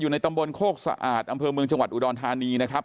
ในตำบลโคกสะอาดอำเภอเมืองจังหวัดอุดรธานีนะครับ